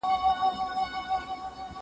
موسيقي د زهشوم له خوا اورېدلې کيږي،